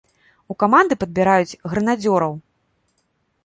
У каманды падбіраюць грэнадзёраў!